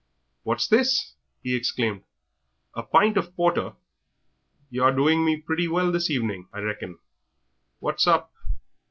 "What's this?" he exclaimed; "a pint of porter! Yer are doing me pretty well this evening, I reckon. What's up?"